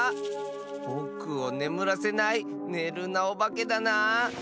ぼくをねむらせない「ねるなおばけ」だな。